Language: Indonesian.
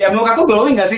ya muka aku glowing ga sih